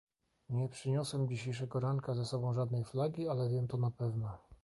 Nie przyniosłem dzisiejszego ranka ze sobą żadnej flagi, ale wiem to na pewno